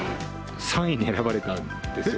３位に選ばれたんですよ。